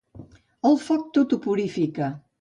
El foc tot ho purifica.